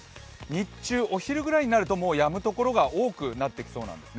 日中、お昼ぐらいになるとやむところが多くなってきそうなんです。